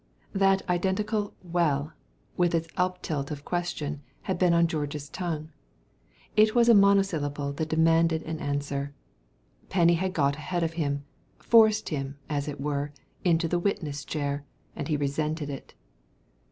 That identical "well" with its uptilt of question had been on George's tongue. It was a monosyllable that demanded an answer. Penny had got ahead of him, forced him, as it were, into the witness chair, and he resented it.